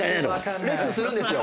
レッスンするんですよ。